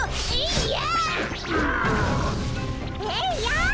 いや。